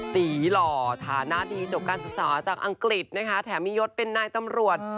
ตีหล่อธานาธิจบการศึกษาจากอังกฤษแถมมียศเป็นหน้าตำรวจ